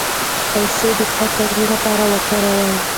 پیسې د ښو کارونو لپاره وکاروئ.